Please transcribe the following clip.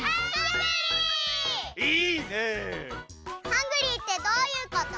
ハングリーってどういうこと？